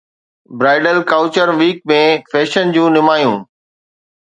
bridal couture week ۾ fashion جون نمايانون